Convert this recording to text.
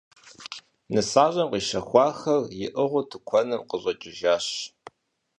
Нысащӏэм къищэхуахэр иӏыгъыу тыкуэным къыщӏэкӏыжащ.